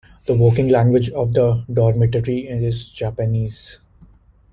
The working language of the dormitory is Japanese.